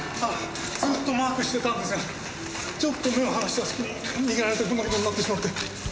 ずっとマークしてたんですがちょっと目を離したすきに逃げられてこんな事になってしまって。